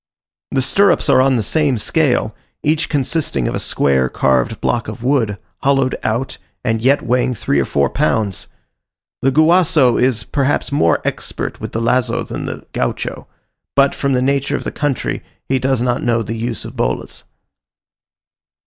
The stirrups are on the same scale, each consisting of a square, carved block of wood, hollowed out, yet weighing three or four pounds. The Guaso is perhaps more expert with the lazo than the Gaucho; but, from the nature of the country, he does not know the use of the bolas.